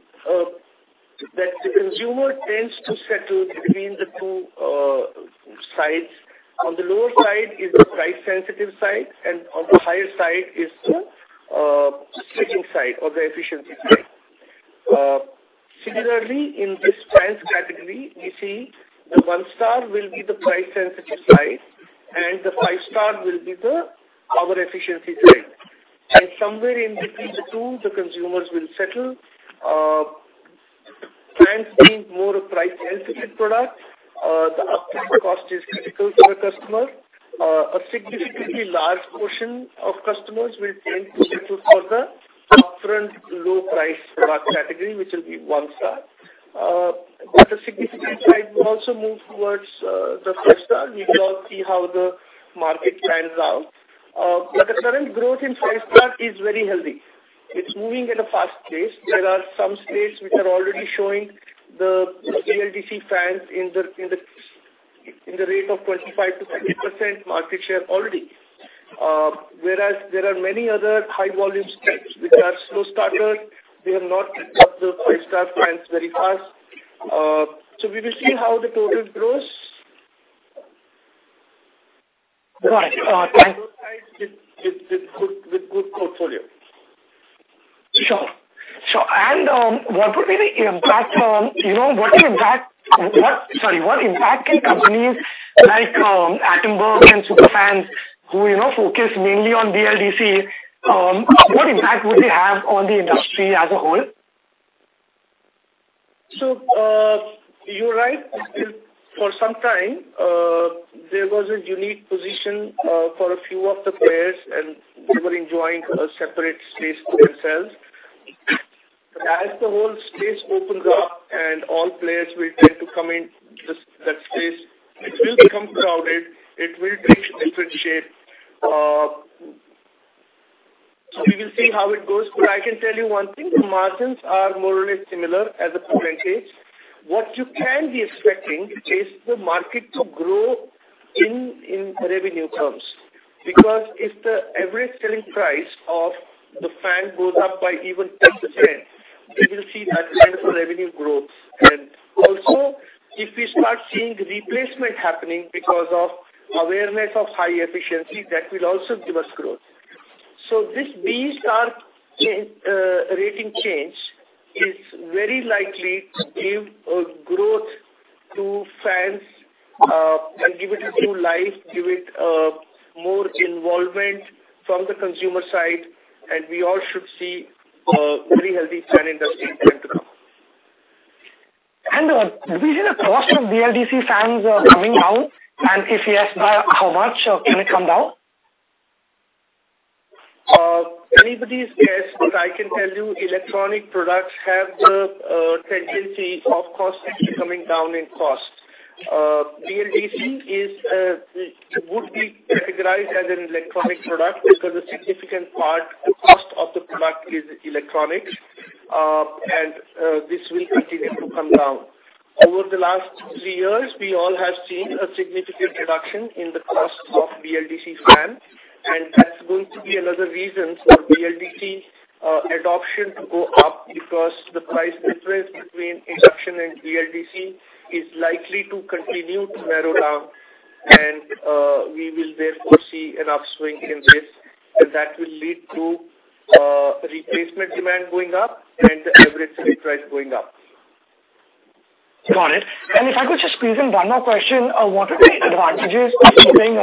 that the consumer tends to settle between the two sides. On the lower side is the price sensitive side, on the higher side is the switching side or the efficiency side. Similarly, in this fans category, we see the one star will be the price sensitivity side, and the five star will be the power efficiency side. Somewhere in between the two, the consumers will settle. Fans being more a price sensitive product, the upfront cost is critical for a customer. A significantly large portion of customers will tend to settle for the upfront low price product category, which will be one star. A significant side will also move towards the five star. We will all see how the market pans out. The current growth in five star is very healthy. It's moving at a fast pace. There are some states which are already showing the BLDC fans in the rate of 25%-30% market share already. Whereas there are many other high volume states which are slow starters. They have not picked up the 5 star fans very fast. We will see how the total grows with good portfolio. Sure. Sure. You know, what impact can companies like Atomberg and Superfan, who, you know, focus mainly on BLDC, what impact would they have on the industry as a whole? You're right. For some time, there was a unique position for a few of the players, and they were enjoying a separate space to themselves. As the whole space opens up and all players will tend to come in just that space, it will become crowded. It will take a different shape. We will see how it goes. I can tell you 1 thing, the margins are more or less similar as a %. What you can be expecting is the market to grow in revenue terms. Because if the average selling price of the fan goes up by even 10%, we will see that kind of a revenue growth. If we start seeing replacement happening because of awareness of high efficiency, that will also give us growth. This BEE star rating change is very likely to give growth to fans and give it a new life, give it more involvement from the consumer side, and we all should see a very healthy fan industry going through. Do we see the cost of BLDC fans coming down? If yes, by how much can it come down? Anybody's guess, I can tell you electronic products have the tendency of cost, coming down in cost. BLDC is would be categorized as an electronic product because a significant part, the cost of the product is electronics, this will continue to come down. Over the last three years, we all have seen a significant reduction in the cost of BLDC fan, that's going to be another reason for BLDC adoption to go up because the price difference between induction and BLDC is likely to continue to narrow down we will therefore see an upswing in this. That will lead to replacement demand going up and the average selling price going up. Got it. If I could just squeeze in one more question. What are the advantages of keeping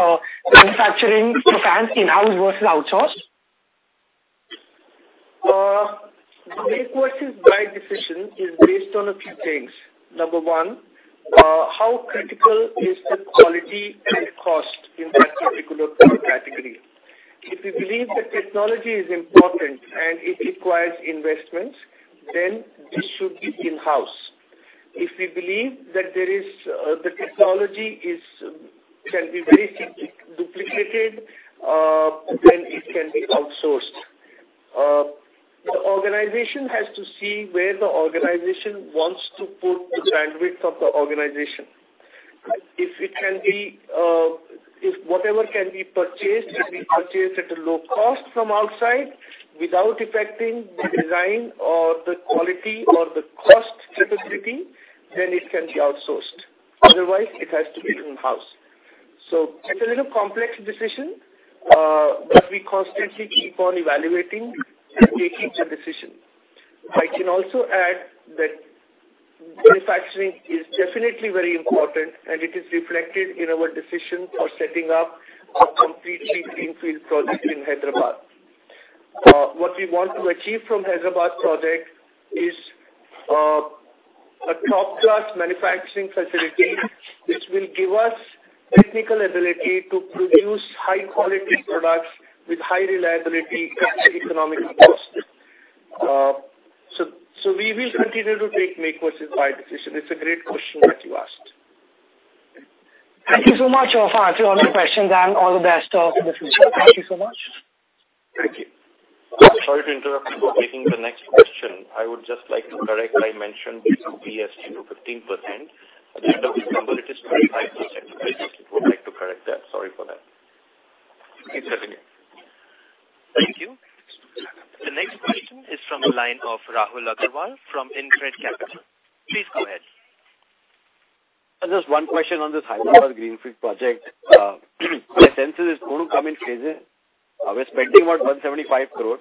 manufacturing fans in-house versus outsourced? Make versus buy decision is based on a few things. Number one, how critical is the quality and cost in that particular product category? If we believe that technology is important and it requires investments, then this should be in-house. If we believe that there is, the technology is, can be very simply duplicated, then it can be outsourced. The organization has to see where the organization wants to put the bandwidth of the organization. If it can be, if whatever can be purchased can be purchased at a low cost from outside without affecting the design or the quality or the cost capability, then it can be outsourced. Otherwise, it has to be in-house. It's a little complex decision, but we constantly keep on evaluating and taking the decision. I can also add that manufacturing is definitely very important, and it is reflected in our decision for setting up a completely greenfield project in Hyderabad. What we want to achieve from Hyderabad project is a top-class manufacturing facility which will give us technical ability to produce high quality products with high reliability at economic cost. We will continue to take make versus buy decision. It's a great question that you asked. Thank you so much of answering all my questions. All the best in the future. Thank you so much. Thank you. Sorry to interrupt before taking the next question. I would just like to correct. I mentioned EPS to 15%. The correct number, it is 25%. I just would like to correct that. Sorry for that. Please continue. Thank you. The next question is from the line of Rahul Agarwal from InCred Capital. Please go ahead. Just one question on this Hyderabad greenfield project. My sense is it's going to come in phases. We're spending about 175 crores.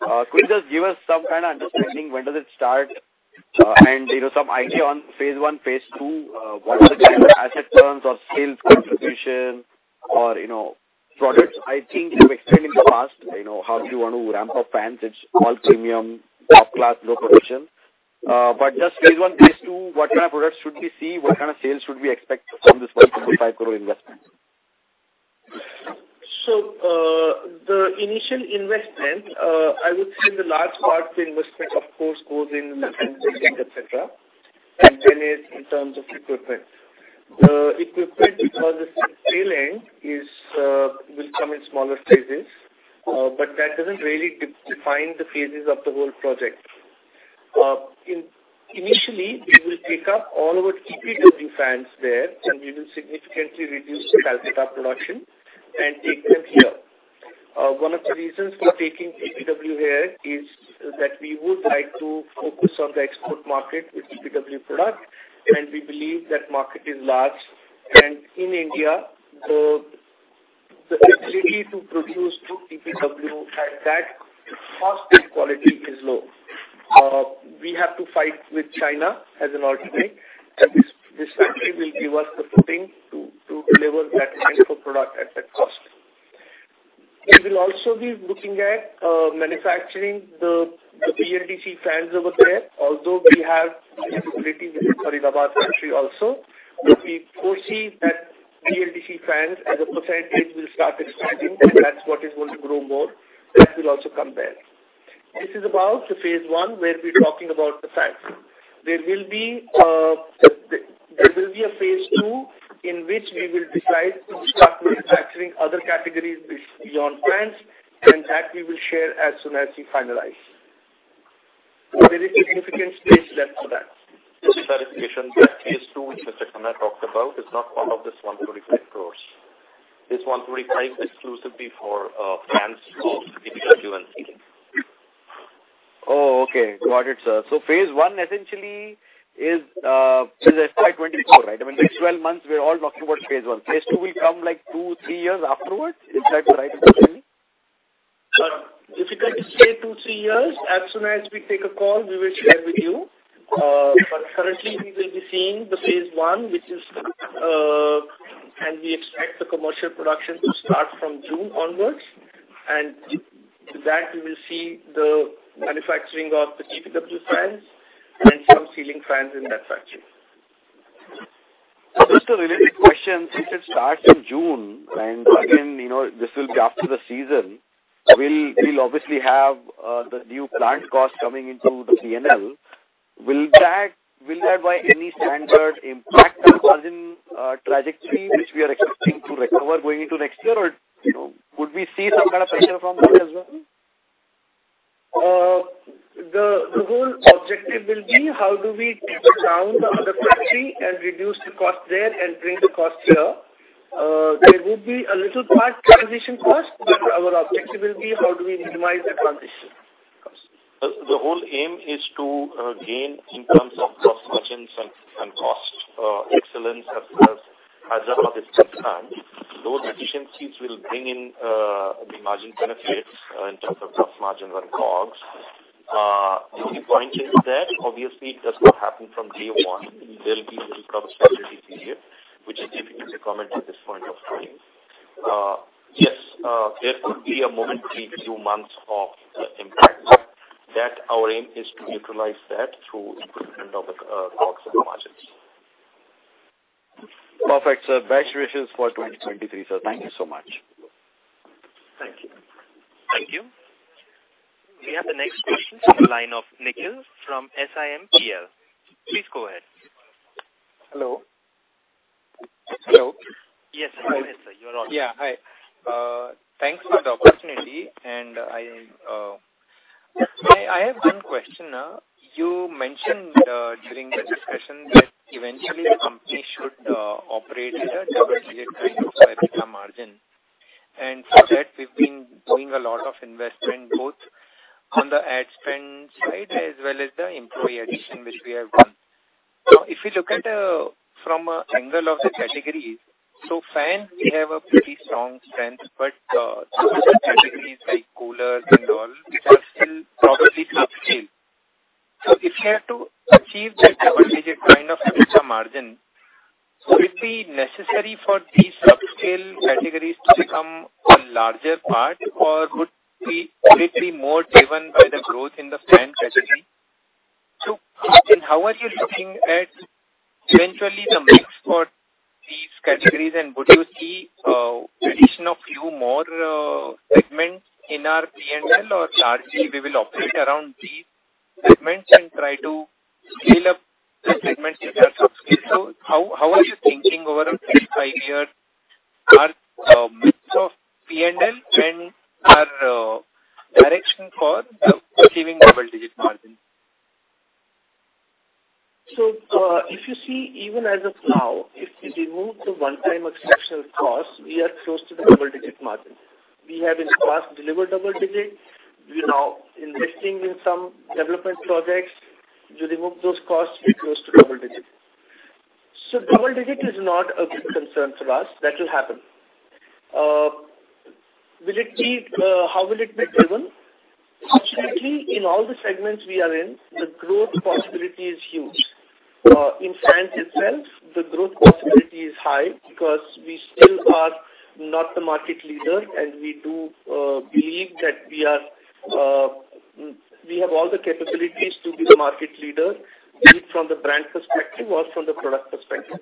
Could you just give us some kind of understanding when does it start, and, you know, some idea on phase one, phase two, what are the kind of asset turns or sales contribution or, you know, products. I think you've explained in the past, you know, how do you want to ramp up fans. It's all premium, top class, low friction. Just phase one, phase two, what kind of products should we see? What kind of sales should we expect from this 125 crore investment? The initial investment, I would say the large part of the investment of course, goes in manufacturing, et cetera, and then in terms of equipment. The equipment for the sale end is, will come in smaller phases. That doesn't really define the phases of the whole project. Initially we will take up all our EPW fans there, and we will significantly reduce the Calcutta production and take them here. One of the reasons for taking EPW here is that we would like to focus on the export market with EPW product, and we believe that market is large. In India, the ability to produce good EPW at that cost and quality is low. We have to fight with China as an alternate, this factory will give us the footing to deliver that kind of product at that cost. We will also be looking at manufacturing the BLDC fans over there, although we have the facility with Hyderabad factory also. We foresee that BLDC fans as a percentage will start expanding. That's what is going to grow more. That will also come there. This is about the phase one, where we're talking about the fans. There will be a phase two in which we will decide to start manufacturing other categories beyond fans, that we will share as soon as we finalize. There is significant space left for that. Just a clarification. That phase two which Mr. Khanna talked about is not all of this 125 crores. This 125 crores is exclusively for fans of EPW and ceiling. Okay. Got it, sir. Phase one essentially is FY 2024, right? I mean, next 12 months we are all talking about phase I. Phase II will come, like two, three years afterwards. Is that the right assumption? Difficult to say two, three years. As soon as we take a call, we will share with you. Currently we will be seeing the phase I, which is we expect the commercial production to start from June onwards. With that we will see the manufacturing of the EPW fans and some ceiling fans in that factory. Just a related question. If it starts in June and again, you know, this will be after the season, we'll obviously have the new plant costs coming into the PNL. Will that by any standard impact the margin trajectory which we are expecting to recover going into next year? You know, would we see some kind of pressure from that as well? The whole objective will be how do we taper down the other factory and reduce the cost there and bring the cost here. There would be a little part transition cost, but our objective will be how do we minimize the transition cost. The whole aim is to gain in terms of gross margins and cost excellence as Hyderabad is set up. Those efficiencies will bring in the margin benefits in terms of gross margin or COGS. To your point, Rahul, that obviously does not happen from day one. There will be a little capacity period, which is difficult to comment at this point of time. Yes, there could be a momentary few months of impact. That our aim is to utilize that through improvement of COGS and margins. Perfect, sir. Best wishes for 2023, sir. Thank you so much. Thank you. Thank you. We have the next question from the line of Nikhil from SiMPL. Please go ahead. Hello? Hello? Yes. Go ahead, sir. You're on. Yeah. Hi. Thanks for the opportunity. I have one question. You mentioned during the discussion that eventually the company should operate at a double-digit kind of EBITDA margin. For that, we've been doing a lot of investment both on the ad spend side as well as the employee addition which we have done. If you look at from an angle of the categories, fans we have a pretty strong strength, but some of the categories like coolers and all will probably be upscale. If you have to achieve that double-digit kind of EBITDA margin, would it be necessary for these upscale categories to become a larger part, or would it be more driven by the growth in the fan category? How are you looking at eventually the mix for these categories and would you see addition of few more segments in our PNL or largely we will operate around these segments and try to scale up the segments if they are upscale? How are you thinking over a three-five year arc, mix of PNL and our direction for achieving double-digit margin? If you see even as of now, if we remove the one-time exceptional costs, we are close to the double-digit margin. We have in the past delivered double-digit. We're now investing in some development projects. You remove those costs, we're close to double-digit. Double-digit is not a big concern for us. That will happen. How will it be driven? Actually, in all the segments we are in, the growth possibility is huge. In fans itself, the growth possibility is high because we still are not the market leader, and we do believe that we have all the capabilities to be the market leader, be it from the brand perspective or from the product perspective.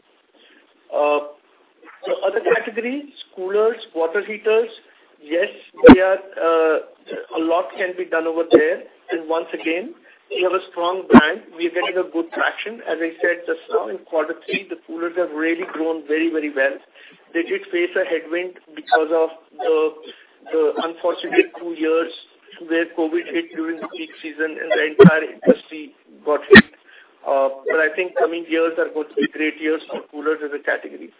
Other categories, coolers, water heaters, yes, we are, a lot can be done over there. Once again, we have a strong brand. We are getting a good traction. As I said just now, in Q3, the coolers have really grown very, very well. They did face a headwind because of the unfortunate two years where COVID hit during the peak season and the entire industry got hit. I think coming years are going to be great years for coolers as a category.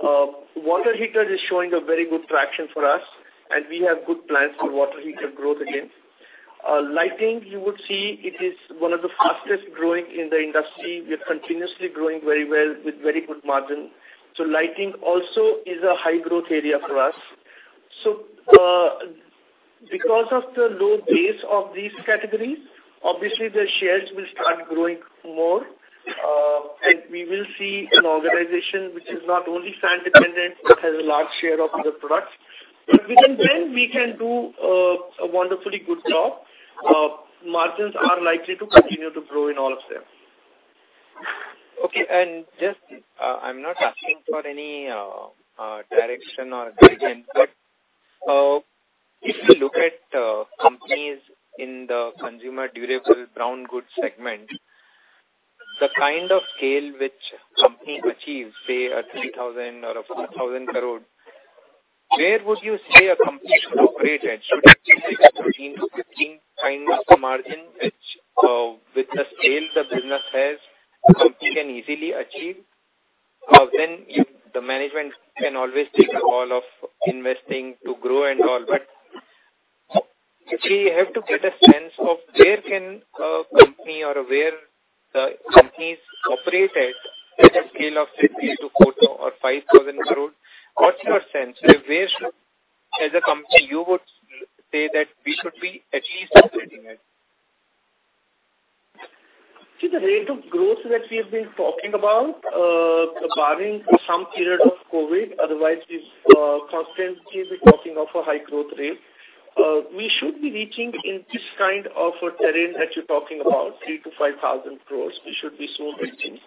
Water heater is showing a very good traction for us, and we have good plans for water heater growth again. Lighting, you would see it is one of the fastest growing in the industry. We are continuously growing very well with very good margin. Lighting also is a high growth area for us. Because of the low base of these categories, obviously the shares will start growing more, and we will see an organization which is not only fan dependent, but has a large share of other products. If we can brand, we can do a wonderfully good job. Margins are likely to continue to grow in all of them. Okay. Just, I'm not asking for any direction or guidance, if you look at companies in the consumer durable brown goods segment, the kind of scale which companies achieve, say 3,000 crore or 4,000 crore, where would you say a company should operate at? Should it be like 13, 15 times the margin, which, with the scale the business has, a company can easily achieve? If the management can always take the call of investing to grow and all, we have to get a sense of where can a company or where the companies operate at a scale of 3,000 to 4,000 or 5,000 crore. What's your sense? Where should, as a company, you would say that we should be achieving or sitting at? See, the rate of growth that we have been talking about, barring some period of COVID, otherwise we've constantly been talking of a high growth rate. We should be reaching in this kind of a terrain that you're talking about, 3,000-5,000 crores. We should be so reaching.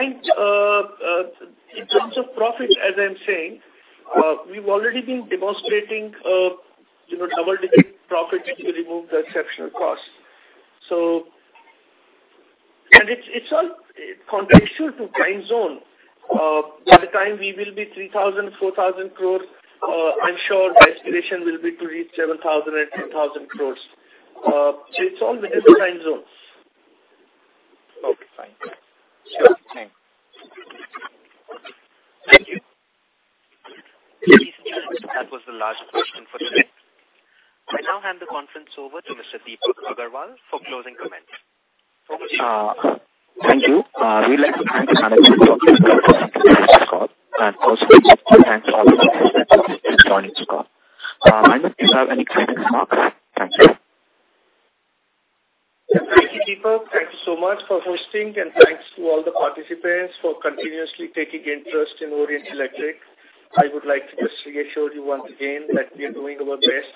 In terms of profit, as I'm saying, we've already been demonstrating, you know, double-digit profit if you remove the exceptional costs. It's, it's all contextual to time zone. By the time we will be 3,000 crores, 4,000 crores, I'm sure the aspiration will be to reach 7,000 and 10,000 crores. It's all within the time zones. Okay, fine. Thanks. Thank you. That was the last question for today. I now hand the conference over to Mr. Deepak Agrawal for closing comments. Over to you. Thank you. We'd like to thank Khanna for talking to us on today's call. Also thanks to all the participants for joining this call. Khanna, do you have any closing remarks? Thank you. Thank you, Deepak. Thank you so much for hosting, and thanks to all the participants for continuously taking interest in Orient Electric. I would like to just reassure you once again that we are doing our best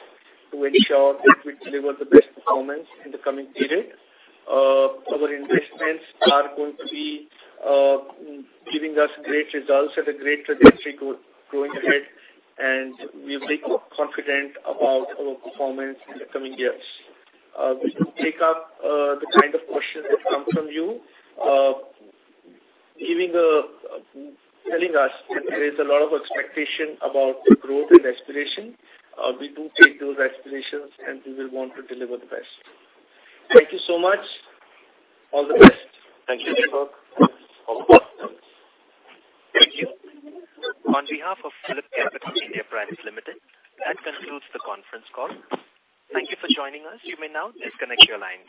to ensure that we deliver the best performance in the coming period. Our investments are going to be giving us great results and a great trajectory going ahead, and we are very confident about our performance in the coming years. We do take up the kind of questions that come from you, telling us that there is a lot of expectation about growth and aspiration. We do take those aspirations, and we will want to deliver the best. Thank you so much. All the best. Thank you, Deepak. Over to you, thank you. Thank you. On behalf of PhillipCapital India Private Limited, that concludes the conference call. Thank you for joining us. You may now disconnect your lines.